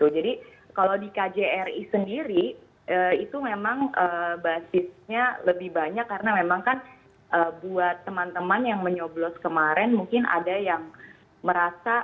jadi kalau di kjri sendiri itu memang basisnya lebih banyak karena memang kan buat teman teman yang menyoblos kemarin mungkin ada yang merasa